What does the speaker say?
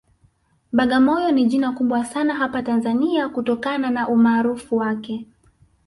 Bagamoyo ni jina kubwa sana hapa Tanzania kutokana na umaarufu wake